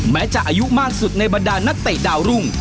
แม้จะอายุมากสุดในบรรดานักเตะดาวรุ่ง